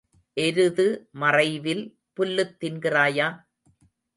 எருது மறைவில் புல்லுத் தின்கிறாயா?